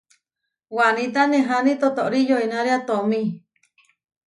Waníta neháni totóri yoinária tomí.